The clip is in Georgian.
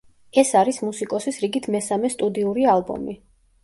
ეს არის მუსიკოსის რიგით მესამე სტუდიური ალბომი.